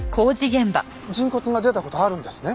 人骨が出た事あるんですね？